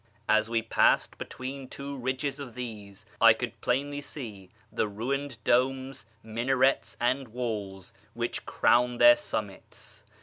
As we passed between two ridges of these, I could plainly see the ruined domes, minarets, and walls which crown their summits.